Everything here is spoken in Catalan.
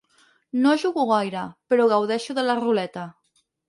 No jugo gaire, però gaudeixo de la ruleta.